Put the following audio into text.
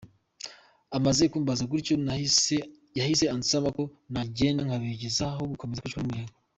Amaze kumbaza gutyo yahise ansaba ko nagenda nkabegera aho gukomeza kwicwa n’umuyaga.